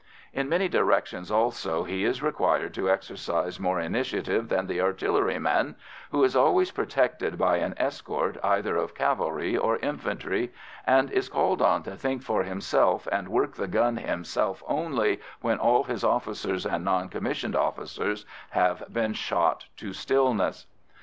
In many directions, also, he is required to exercise more initiative than the artilleryman, who is always protected by an escort either of cavalry or infantry, and is called on to think for himself and work the gun himself only when all his officers and non commissioned officers have been shot to stillness.